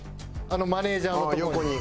マネジャーのとこに。